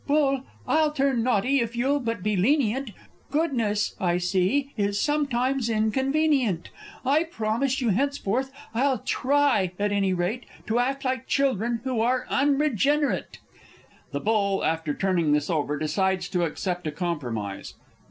_ Bull, I'll turn naughty, if you'll but be lenient! Goodness, I see, is sometimes inconvenient. I promise you henceforth I'll try, at any rate, To act like children who are unregenerate! [Illustration: On top of the Pump.] [_The Bull, after turning this over, decides to accept a compromise.